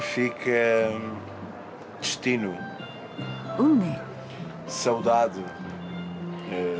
運命。